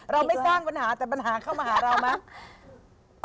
เราไม่สร้างปัญหาแต่ปัญหาเข้ามาหาเรามั้ง